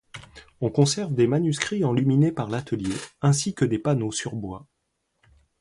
On conserve des manuscrits enluminés par l'atelier ainsi que des panneaux sur bois.